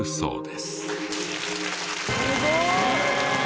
すごーい。